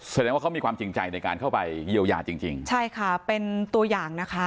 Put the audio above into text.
แสดงว่าเขามีความจริงใจในการเข้าไปเยียวยาจริงจริงใช่ค่ะเป็นตัวอย่างนะคะ